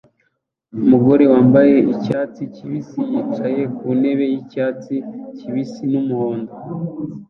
Umugore wambaye icyatsi kibisi yicaye ku ntebe yicyatsi kibisi n'umuhondo